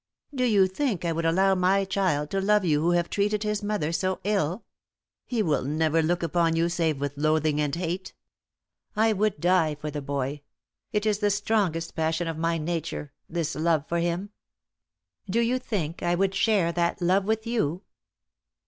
Do you think I would allow my child to love you who have treated his mother so ill? He will never look upon you save with loathing and hate. I would die for the boy; it is the strongest passion of my nature, this love for him. Do you think I would share that love with you?